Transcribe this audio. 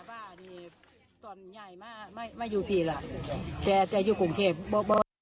อันนี้ตอนย้ายไม่อยู่พี่แหละแต่อยู่กรุงเทพบ่อย